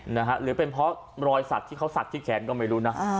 หรือเป็นเพราะรอยสักที่เขาศักดิ์ที่แขนก็ไม่รู้นะ